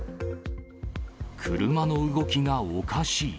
車の動きがおかしい。